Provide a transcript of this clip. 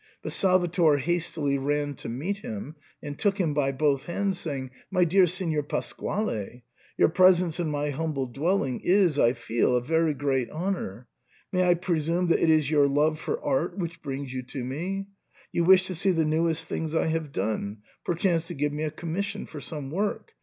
But Salvator hastily ran to meet him, and took him by both hands, saying, "My dear Signor Pasquale, your presence in my humble dwelling is, I feel, a very great honour. May I presume that it is your love for art which brings you to me ? You wish to see the newest things I have done, perchance to give me a commission for some work.